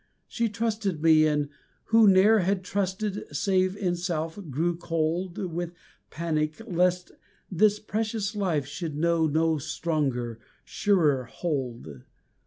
She trusted me, and I who ne'er had trusted, save in self, grew cold With panic lest this precious life should know no stronger, surer hold.